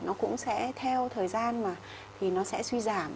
nó cũng sẽ theo thời gian mà thì nó sẽ suy giảm